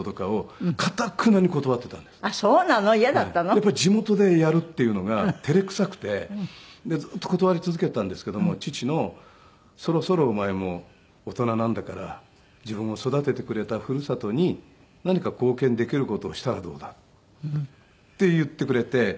やっぱり地元でやるっていうのが照れくさくてずっと断り続けていたんですけども父の「そろそろお前も大人なんだから自分を育ててくれたふるさとに何か貢献できる事をしたらどうだ」って言ってくれて。